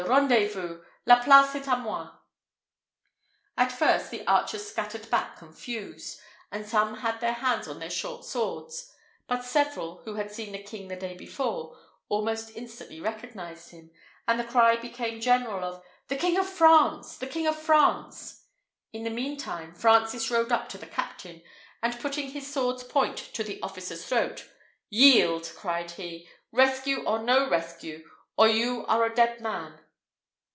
rendez vous! La place est à moi!_" At first, the archers scattered back confused, and some had their hands on their short swords; but several, who had seen the king the day before, almost instantly recognised him, and the cry became general of "The King of France! the King of France!" In the mean time, Francis rode up to the captain, and, putting his sword's point to the officer's throat, "Yield!" cried he, "rescue or no rescue, or you are a dead man!"